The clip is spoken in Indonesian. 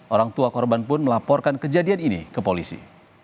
orang tua korban pun melaporkan kejadian ini ke polisi